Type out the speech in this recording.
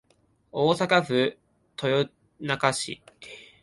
大阪府豊中市